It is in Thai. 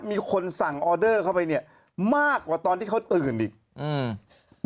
มีคนสั่งออเดอร์เข้าไปเนี้ยมากกว่าตอนที่เขาตื่นอีกอืม